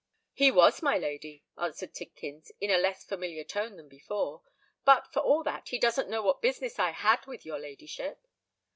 "He was, my lady," answered Tidkins, in a less familiar tone than before: "but, for all that, he doesn't know what business I had with your ladyship."